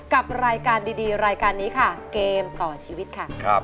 กับรายการดีรายการนี้ค่ะเกมต่อชีวิตค่ะ